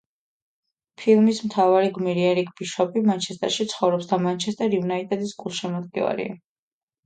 ფილმის მთავარი გმირი, ერიკ ბიშოპი, მანჩესტერში ცხოვრობს და „მანჩესტერ იუნაიტედის“ გულშემატკივარია.